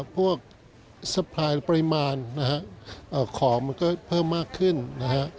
พวกปริมาณนะฮะเอ่อของมันก็เพิ่มมากขึ้นนะฮะ